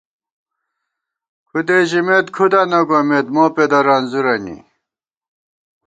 کھُدے ژِمېت کھُدہ نہ گومېت مو پېدہ رنځورَنی